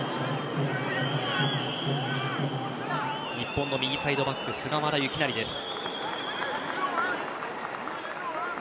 日本の右サイドバック菅原由勢です。